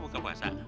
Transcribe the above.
dedo udah buka pasar